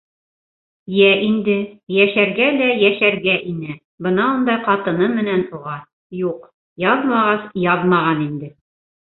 Йә инде, йәшәргә лә, йәшәргә ине бынауындай ҡатыны менән уға, юҡ, яҙмағас, яҙмаған инде.